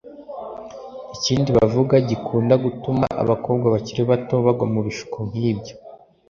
Ikindi bavuga gikunda gutuma abakobwa bakiri bato bagwa mu bishuko nk’ibyo